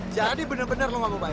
jadi bener bener lo gak mau bayar